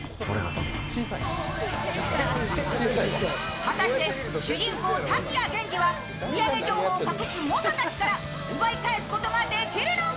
果たして主人公・滝谷源治は売り上げ情報を隠す猛者たちから奪い返すことができるのか。